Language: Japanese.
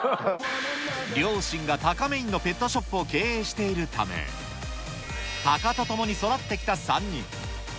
両親がたかメインのペットショップを経営しているため、たかと共に育ってきた３人。